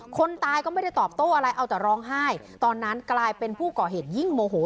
คนตายก็ไม่ได้ตอบโต้อะไรเอาแต่ร้องไห้ตอนนั้นกลายเป็นผู้ก่อเหตุยิ่งโมโห